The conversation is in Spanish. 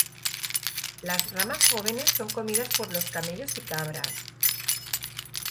Las ramas jóvenes son comidas por los camellos y cabras.